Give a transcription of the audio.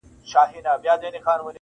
هر سړی یې تر نظر پک او پمن وي -